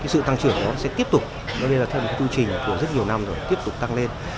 cái sự tăng trưởng đó sẽ tiếp tục nó nên là theo một tư trình của rất nhiều năm rồi tiếp tục tăng lên